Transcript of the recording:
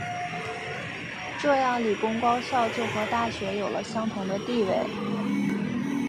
这样理工高校就和大学有了相同的地位。